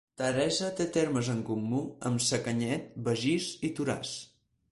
Teresa té termes en comú amb Sacanyet, Begís i Toràs.